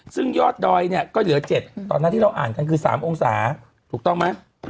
ซึ่งยอดดอยเนี่ยก็เหลือ๗ตอนนั้นที่เราอ่านกันคือ๓องศาถูกต้องไหม